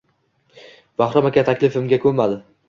Bahrom aka taklifimga ko`nmadi